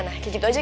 nangis ke temb cat